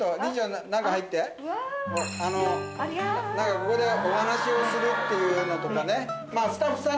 ここでお話をするっていうのとかね。